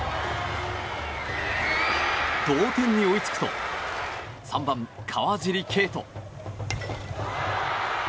同点に追いつくと３番、川尻。